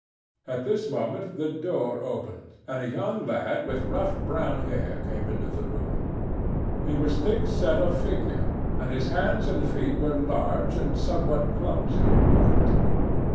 At this moment, the door opened and a young lad with rough brown hair came into the room. He was thick set of figure, and his hands and feet were large and somewhat clumsy in movement.